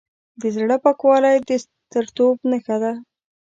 د زړه پاکوالی د سترتوب نښه ده.